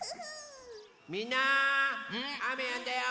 みんなあめやんだよ！